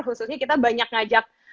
khususnya kita banyak ngajak